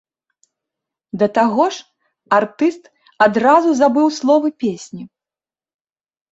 Да таго ж, артыст адразу забыў словы песні.